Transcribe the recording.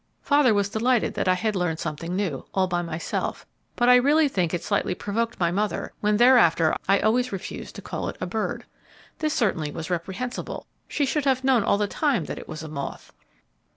Father was delighted that I had learned something new, all by myself; but I really think it slightly provoked my mother when thereafter I always refused to call it a bird. This certainly was reprehensible. She should have known all the time that it was a moth.